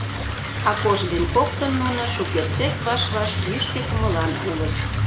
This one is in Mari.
Акош дене коктын нуно шукертсек ваш-ваш йӱштӧ кумылан улыт.